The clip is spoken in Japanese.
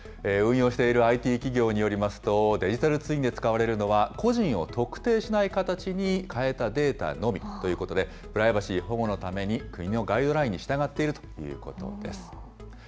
運用しているＩＴ企業によりますと、デジタルツインで使われるのは、個人を特定しない形に変えたデータのみということで、プライバシー保護のために、国のガイドラインに従っているということです。